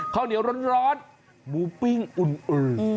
ข้าวเหนียวร้อนหมูปิ้งอื่น